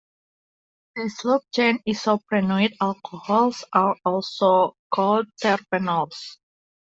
These log-chain isoprenoid alcohols are also called 'terpenols'.